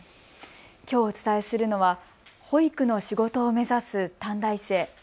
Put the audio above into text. きょうお伝えするのは保育の仕事を目指す短大生。